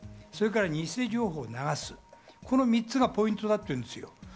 それから偽情報を流す、この３つのポイントだっていうんですよ。